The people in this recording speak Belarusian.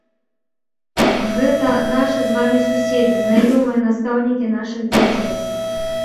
Гэта нашы з вамі суседзі, знаёмыя, настаўнікі нашых дзяцей.